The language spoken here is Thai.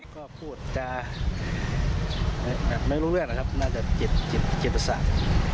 ก็พูดจาไม่รู้เรื่องนะครับน่าจะเจ็บประสาท